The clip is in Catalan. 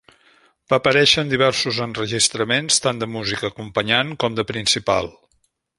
Va aparèixer en diversos enregistraments, tant de músic acompanyant com de principal.